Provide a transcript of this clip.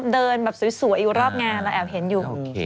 เดินแบบสวยอยู่รอบงานเราแอบเห็นอยู่